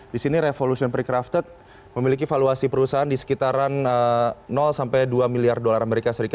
di sini revolution precrafted memiliki valuasi perusahaan di sekitaran sampai dua miliar dolar as